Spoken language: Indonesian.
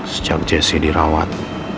sejak jesse dirawat